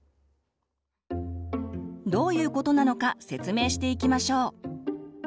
どういうことなのか説明していきましょう。